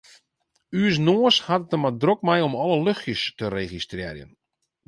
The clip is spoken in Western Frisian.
Us noas hat it der mar drok mei om alle luchtsjes te registrearjen.